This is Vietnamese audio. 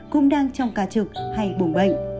cũng đang trong ca trực hay bùng bệnh